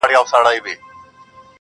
• نو گراني ته چي زما قدم باندي.